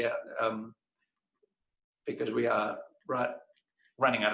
karena kami sudah hilang waktu